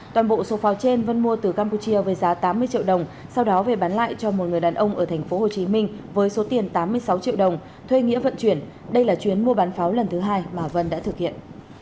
toàn bộ số pháo trên vân mua từ campuchia với giá tám mươi triệu đồng sau đó về bán lại cho một người đàn ông ở tp hcm với số tiền tám mươi sáu triệu đồng thuê nghĩa vận chuyển đây là chuyến mua bán pháo lần thứ hai mà vân đã thực hiện